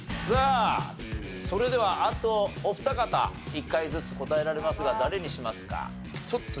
さあそれではあとお二方１回ずつ答えられますが誰にしますか？